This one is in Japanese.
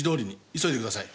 急いでください。